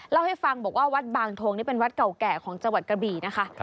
เล่าให้ฟังบอกว่าวัดบางทงนี่เป็นวัดเก่าแก่ของจังหวัดกระบี่นะคะ